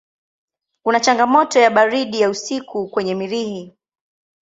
Kuna changamoto ya baridi ya usiku kwenye Mirihi.